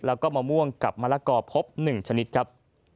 แล้วก็มะม่วงกับมะละกอพบ๑ชนิดครับ